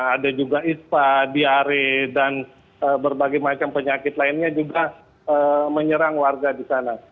ada juga ispa diare dan berbagai macam penyakit lainnya juga menyerang warga di sana